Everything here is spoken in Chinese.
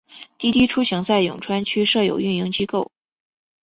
滴滴出行在永川区设有运营机构。